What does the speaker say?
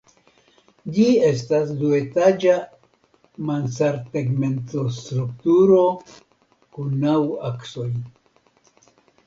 Ĝi estas duetaĝa mansardtegmentostrukturo kun naŭ aksoj.